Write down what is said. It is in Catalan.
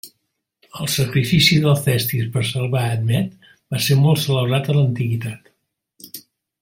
El sacrifici d'Alcestis per salvar Admet va ser molt celebrat a l'antiguitat.